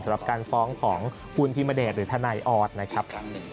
สำหรับการฟ้องของคุณพิมเดชหรือทนายออสนะครับ